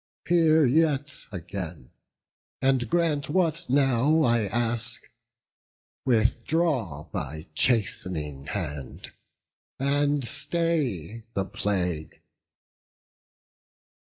Hear yet again, and grant what now I ask; Withdraw thy chast'ning hand, and stay the plague."